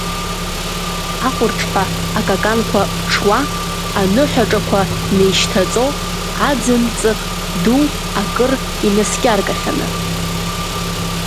Аҟәырҿҳәа акаканқәа ԥҽуа, аныҳәаҿақәа неишьҭаҵо, аӡын-ҵых ду акыр инаскьаргахьаны…